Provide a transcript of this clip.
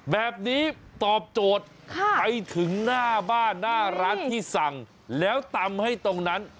แบบนี้ตอบโจทย์ไปถึงหน้าบ้านหน้าร้านที่สั่งแล้วตำให้ตรงนั้น